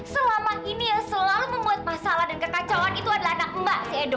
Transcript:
selama ini yang selalu membuat masalah dan kekacauan itu adalah anak mbak si edo